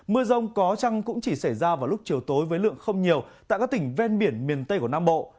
mưa rông có trăng cũng chỉ xảy ra vào lúc chiều tối với lượng không nhiều tại các tỉnh ven biển miền tây của nam bộ